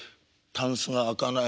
たんすが開かない。